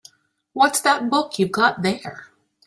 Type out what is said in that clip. What's that book you've got there?